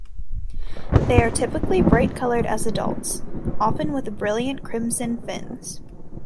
They are typically brightly coloured as adults, often with brilliant crimson fins.